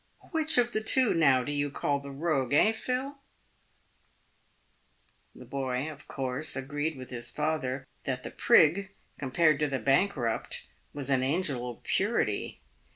Which of the two, now, do you call the rogue, eh, Phil ?" The boy, of course, agreed with his father that the prig, compared to the bankrupt, was an angel of purity.